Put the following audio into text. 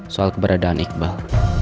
soal keberadaan iqbal